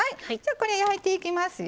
これを焼いていきますよ。